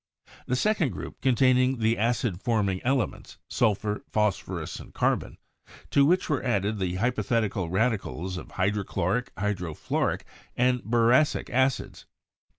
The second group contained the acid forming elements, sulphur, phospho rus and carbon, to which were added the hypothetical rad icals of hydrochloric, hydrofluoric and boracic acids.